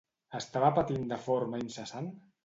Estava patint de forma incessant?